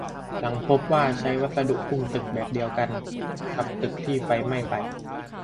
หลังพบว่าใช้วัสดุหุ้มตึกแบบเดียวกับตึกที่ไฟไหม้ไป